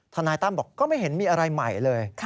นายตั้มบอกก็ไม่เห็นมีอะไรใหม่เลย